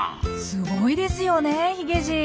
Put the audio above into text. すごいですよねヒゲじい。